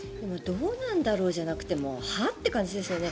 どうなんだろうじゃなくてはあ？って感じですよね。